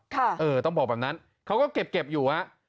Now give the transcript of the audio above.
เออต้องบอกแบบนั้นเขาก็เก็บอยู่ฮะ